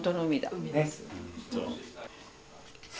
海です。